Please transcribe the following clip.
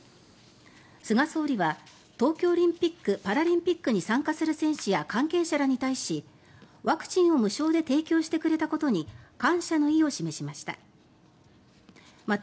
菅総理は東京オリンピック・パラリンピックに参加する選手や関係者らに対しワクチンを無償で提供してくれたことに感謝の意を示しました。